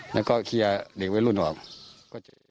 แล้วก็เคลียร์เด็กวัยรุ่นออก